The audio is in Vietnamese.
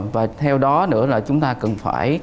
và theo đó nữa là chúng ta cần phải